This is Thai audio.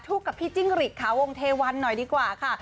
กับพี่จิ้งหรีดขาวงเทวันหน่อยดีกว่าค่ะ